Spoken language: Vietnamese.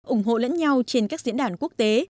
ủng hộ lẫn nhau trên các diễn đàn quốc tế